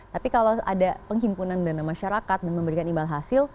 tapi kalau ada penghimpunan dana masyarakat dan memberikan imbal hasil